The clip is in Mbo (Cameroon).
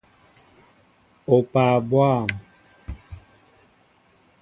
Opaa bwȃm!